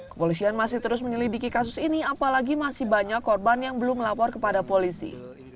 kepolisian masih terus menyelidiki kasus ini apalagi masih banyak korban yang belum melapor kepada polisi